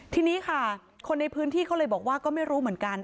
ทีนี้ค่ะคนในพื้นที่เขาเลยบอกว่าก็ไม่รู้เหมือนกัน